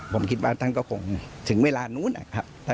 ผมคิดว่าท่านก็คงถึงเวลานู้นนะครับ